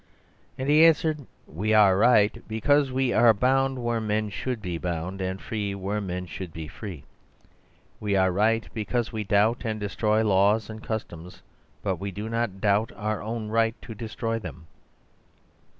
"And he answered: 'We are right because we are bound where men should be bound, and free where men should be free. We are right because we doubt and destroy laws and customs— but we do not doubt our own right to destroy them.